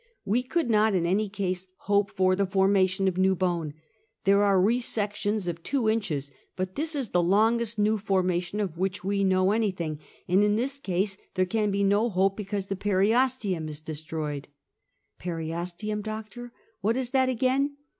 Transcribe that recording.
"We could not, in any case, hope for the formation of a new bone. There are re sections of two inches, but this is the longest new formation of which we know anything, and in this case there can be no hope, be cause the periosteum is destroyed." " Periosteum, doctor. "What is that, again?